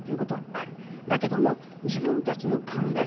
だけども自分たちの考え